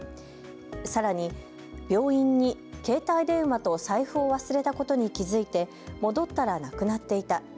さらに、病院に携帯電話と財布を忘れたことに気付いて戻ったらなくなっていた。